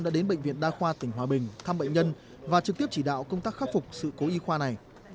đã đến bệnh viện đa khoa tỉnh hòa bình thăm bệnh nhân và trực tiếp chỉ đạo công tác khắc phục sự cố y khoa này